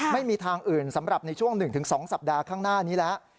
ไม่มีทางอื่นสำหรับในช่วง๑๒สัปดาห์ข้างหน้านี้แล้ว